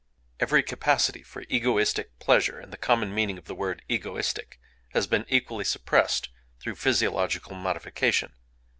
Every capacity for egoistic pleasure—in the common meaning of the word "egoistic"—has been equally repressed through physiological modification.